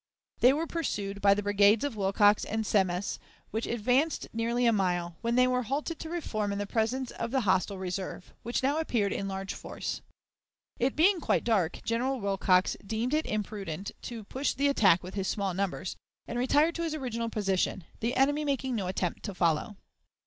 They were pursued by the brigades of Wilcox and Semmes, which advanced nearly a mile, when they were halted to reform in the presence of the hostile reserve, which now appeared in large force. It being quite dark, General Wilcox deemed it imprudent to push the attack with his small numbers, and retired to his original position, the enemy making no attempt to follow.